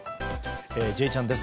「Ｊチャン」です。